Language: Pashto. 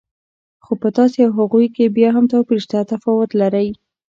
خو په تاسو او هغوی کې بیا هم توپیر شته، تفاوت لرئ.